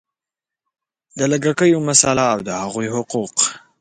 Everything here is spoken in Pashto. د لږکیو مسله او د هغوی حقوق